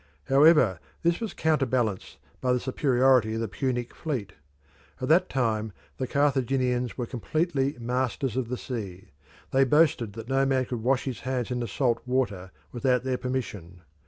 However, this was counterbalanced by the superiority of the Punic fleet. At that time the Carthaginians were completely masters of the sea; they boasted that no man could wash his hands in the salt water without their permission.